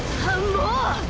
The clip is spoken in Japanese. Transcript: もう！！